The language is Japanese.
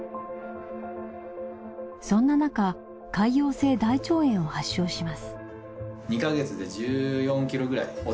そんななか潰瘍性大腸炎を発症します。